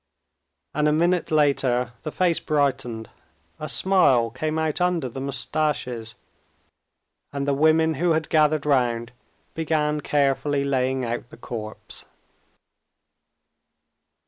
And a minute later the face brightened, a smile came out under the mustaches, and the women who had gathered round began carefully laying out the corpse.